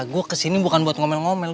gue kesini bukan buat ngomel ngomel